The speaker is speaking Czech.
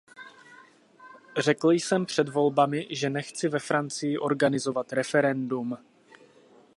Řekl jsem před volbami, že nechci ve Francii organizovat referendum.